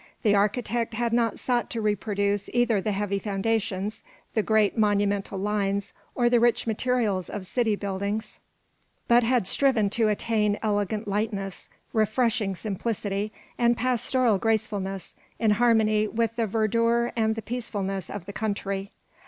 The architect had not sought to reproduce either the heavy foundations, the great monumental lines, or the rich materials of city buildings, but had striven to attain elegant lightness, refreshing simplicity, and pastoral gracefulness in harmony with the verdure and the peacefulness of the country.